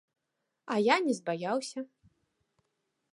А я не збаяўся.